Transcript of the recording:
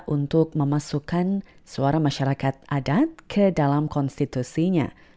untuk memasukkan suara masyarakat adat ke dalam konstitusinya